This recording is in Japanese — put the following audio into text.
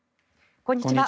こんにちは。